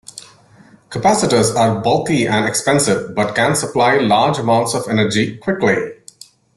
Capacitors are bulky and expensive but can supply large amounts of energy quickly.